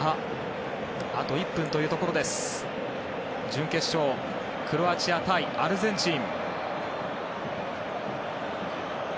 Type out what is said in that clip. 準決勝クロアチア対アルゼンチン。